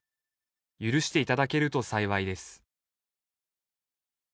「許していただけると幸いです」